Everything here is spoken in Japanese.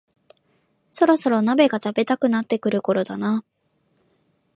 そろそろ鍋が食べたくなってくるころだな